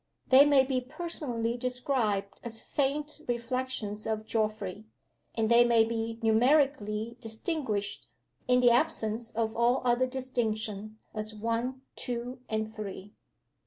They may be personally described as faint reflections of Geoffrey; and they may be numerically distinguished (in the absence of all other distinction) as One, Two, and Three.